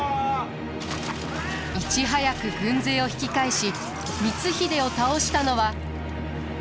いち早く軍勢を引き返し光秀を倒したのは。